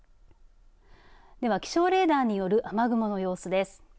では、気象レーダーによる雨雲の様子です。